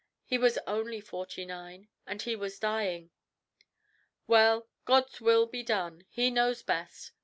He was only forty nine, and he was dying. "Well! God's will be done. He knows best.